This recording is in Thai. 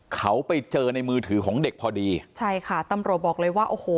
เขาไปเจอในมือถือของเด็กพอดีใช่ค่ะตำรวจบอกเลยว่าโอ้โห